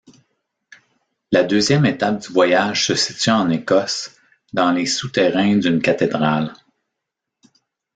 La deuxième étape du voyage se situe en Écosse, dans les souterrains d'une cathédrale.